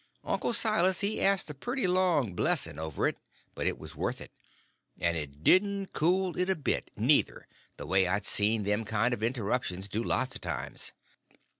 Uncle Silas he asked a pretty long blessing over it, but it was worth it; and it didn't cool it a bit, neither, the way I've seen them kind of interruptions do lots of times.